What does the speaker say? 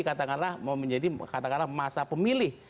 katakanlah masa pemilih